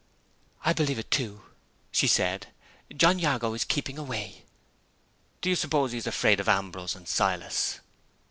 "I believe it too," she said. "John Jago is keeping away." "Do you suppose he is afraid of Ambrose and Silas?"